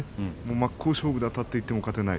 真っ向勝負であたっていっても勝てない。